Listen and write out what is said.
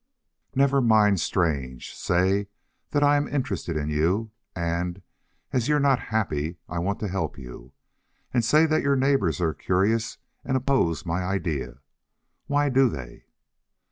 "Never mind strange. Say that I am interested in you, and, as you're not happy, I want to help you. And say that your neighbors are curious and oppose my idea. Why do they?"